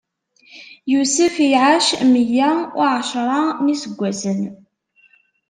Yusef iɛac meyya uɛecṛa n iseggasen.